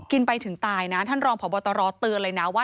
กินไปถึงตายนะท่านรองพบตรเตือนเลยนะว่า